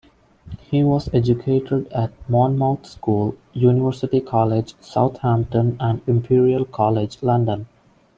He was educated at Monmouth School, University College, Southampton and Imperial College London.